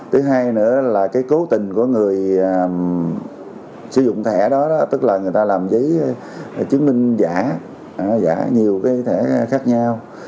thứ hai nữa là cố tình của người sử dụng thẻ đó tức là người ta làm giấy chứng minh giả giả nhiều thẻ khác nhau